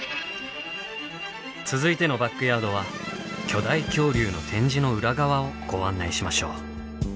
続いてのバックヤードは巨大恐竜の展示の裏側をご案内しましょう。